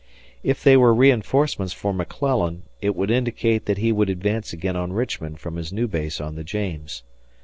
If they were reinforcements for McClellan, it would indicate that he would advance again on Richmond from his new base on the James.